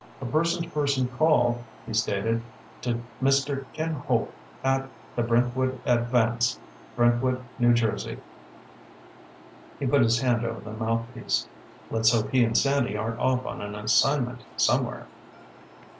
"A person to person call," he stated, "to Mr. Ken Holt, at the Brentwood Advance, Brentwood, New Jersey." He put his hand over the mouthpiece. "Let's hope he and Sandy aren't off on an assignment somewhere."